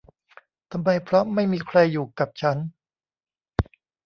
ทำไมเพราะไม่มีใครอยู่กับฉัน !